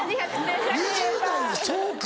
２０代はそうか？